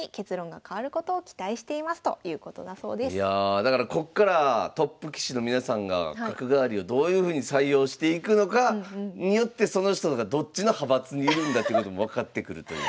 いやだからこっからトップ棋士の皆さんが角換わりをどういうふうに採用していくのかによってその人がどっちの派閥にいるんだってことも分かってくるということで。